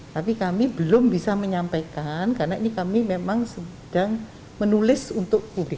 tapi kami belum bisa menyampaikan karena ini kami memang sedang menulis untuk publik